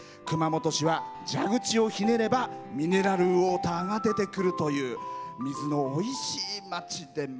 熊本市は蛇口をひねればミネラルウオーターが出てくるという水のおいしい町で。